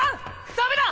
ダメだ！